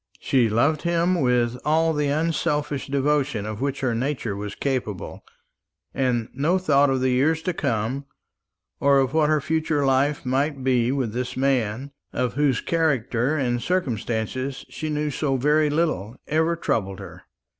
She loved him with all the unselfish devotion of which her nature was capable; and no thought of the years to come, or of what her future life might be with this man, of whose character and circumstances she knew so very little, ever troubled her.